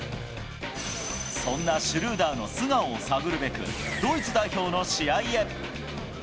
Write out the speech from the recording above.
そんなシュルーダーの素顔を探るべく、ドイツ代表の試合へ。